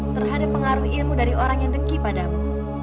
terhadap pengaruh ilmu dari orang yang dengki padamu